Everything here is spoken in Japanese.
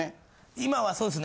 今はそうですね。